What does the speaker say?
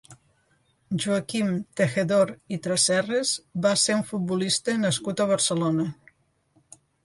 Joaquim Tejedor i Treserras va ser un futbolista nascut a Barcelona.